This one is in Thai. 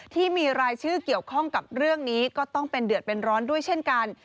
ที่มีรายชื่อเกี่ยวข้องกับเรื่องนี้ก็ต้องเป็นเดือดเป็นร้อนด้วยเช่นกัน